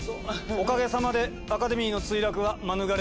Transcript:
おかげさまでアカデミーの墜落は免れました。